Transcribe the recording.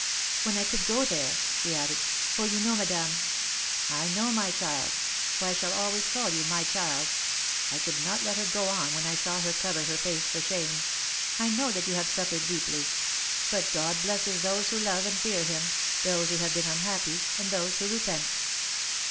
When I could go there,' she added, 'for you know, madame ' 'I know, my child, for I shall always call you my child (I could not let her go on when I saw her cover her face for shame), I know that you have suffered deeply; but God blesses those who love and fear him, those who have been unhappy, and those who repent.'"